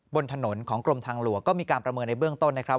บนถนนของกรมทางหลวงก็มีการประเมินในเบื้องต้นนะครับ